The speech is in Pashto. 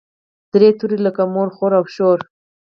درې توري لکه مور، خور او شور.